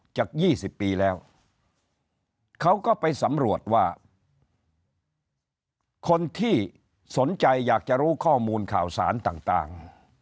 จาก๒๐ปีแล้วเขาก็ไปสำรวจว่าคนที่สนใจอยากจะรู้ข้อมูลข่าวสารต่าง